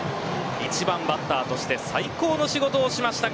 １番バッターとして最高の仕事をしました。